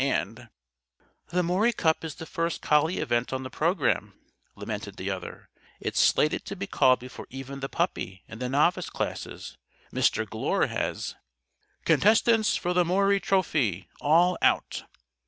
And " "The Maury Cup is the first collie event on the programme," lamented the other. "It's slated to be called before even the Puppy and the Novice classes. Mr. Glure has " "Contestants for the Maury Trophy all out!"